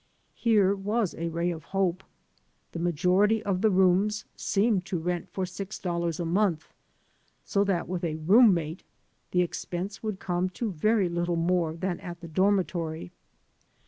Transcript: Here was a ray of hope. The majority of the rooms seemed to rent for six dollars a month, so that with a room mate the expense would come to very little more than at the dormitory.